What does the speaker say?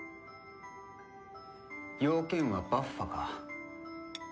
用件はバッファか？